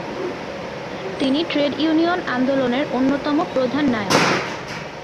তিনি trade union আন্দোলনের অন্যতম প্রধান নায়ক।